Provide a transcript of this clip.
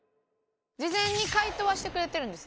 事前に回答はしてくれてるんですね